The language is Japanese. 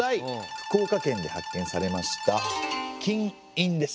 福岡県で発見されました金印です。